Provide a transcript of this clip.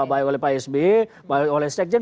baik oleh pak sby baik oleh sekjen